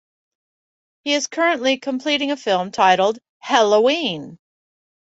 He is currently completing a film titled, "Hell-o-ween".